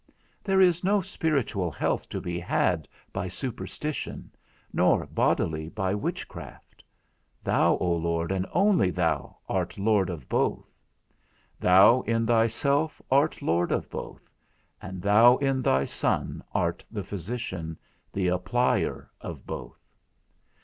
There is no spiritual health to be had by superstition, nor bodily by witchcraft; thou, Lord, and only thou, art Lord of both. Thou in thyself art Lord of both, and thou in thy Son art the physician, the applier of both.